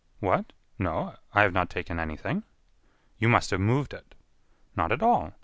"What?....No, I have not taken anything." "You must have moved it." "Not at all.